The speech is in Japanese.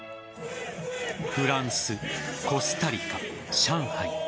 フランス、コスタリカ、上海